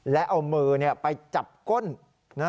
และเอามือไปจับก้น